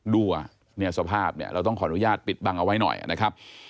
ดูอ่ะเนี่ยสภาพเนี่ยเราต้องขออนุญาตปิดบังเอาไว้หน่อยนะครับ